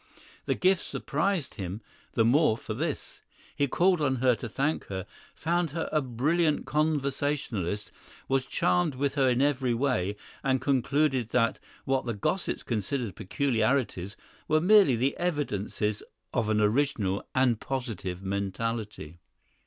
The gift surprised him the more for this. He called on her to thank her, found her a brilliant conversationalist, was charmed with her in every way, and concluded that what the gossips considered peculiarities were merely the evidences of an original and positive mentality.